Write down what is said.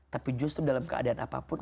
tapi justru dalam keadaan apapun